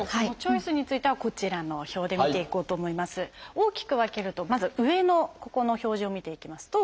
大きく分けるとまず上のここの表示を見ていきますと作用が３つ。